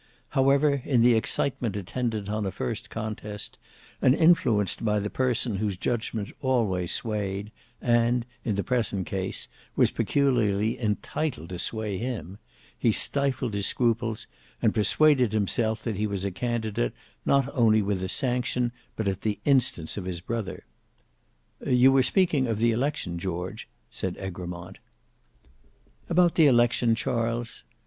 However in the excitement attendant on a first contest, and influenced by the person whose judgment always swayed, and, in the present case, was peculiarly entitled to sway him, he stifled his scruples, and persuaded himself that he was a candidate not only with the sanction, but at the instance, of his brother. "You were speaking of the election, George," said Egremont. "About the election, Charles.